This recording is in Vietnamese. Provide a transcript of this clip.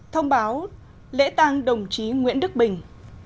thông báo lễ tăng đồng chí nguyễn đức bình